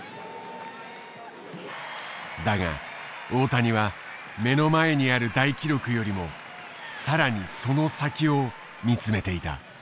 だが大谷は目の前にある大記録よりも更にその先を見つめていた。